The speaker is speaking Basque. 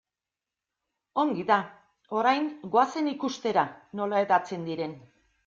Ongi da, orain goazen ikustera nola hedatzen diren.